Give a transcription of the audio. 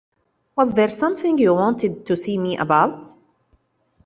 Was there something you wanted to see me about?